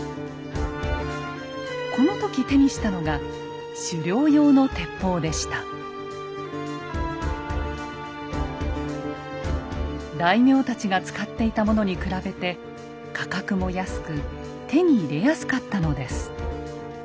この時手にしたのが大名たちが使っていたものに比べて価格も安く手に入れやすかったのです。